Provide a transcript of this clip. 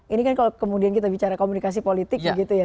ini kan kalau kemudian kita bicara komunikasi politik begitu ya